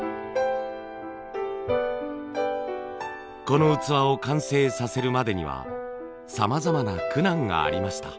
この器を完成させるまでにはさまざまな苦難がありました。